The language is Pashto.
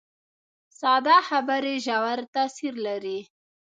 ساده خبرې ژور تاثیر لري